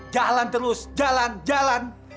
jalan terus jalan jalan